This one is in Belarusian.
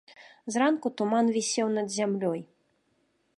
Зранку туман вісеў над зямлёй.